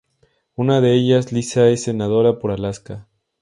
Una de ellas, Lisa, es senadora por Alaska.